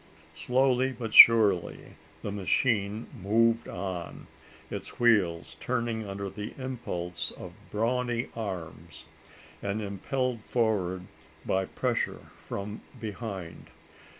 Slowly but surely the machine moved on its wheels turning under the impulse of brawny arms and impelled forward by pressure from behind.